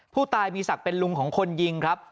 ผู้ตายมีศักดิ์เป็นลุงของคนยิงครับ